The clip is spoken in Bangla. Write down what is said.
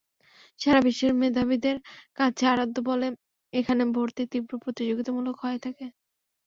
সারা বিশ্বের মেধাবীদের কাছে আরাধ্য বলে এখানে ভর্তি তীব্র প্রতিযোগিতামূলক হয়ে থাকে।